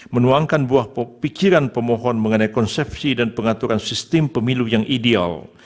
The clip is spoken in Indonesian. menuangkan buah pikiran pemohon mengenai konsepsi dan pengaturan sistem pemilu yang ideal